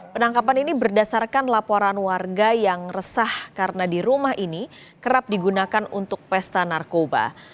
penangkapan ini berdasarkan laporan warga yang resah karena di rumah ini kerap digunakan untuk pesta narkoba